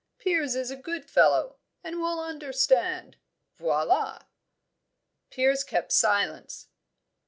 Piers is a good fellow, and will understand. Voila!" Piers kept silence.